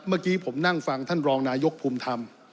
เมื่อกี้ผมนั่งฟังท่านรองนายกภูมิธรรม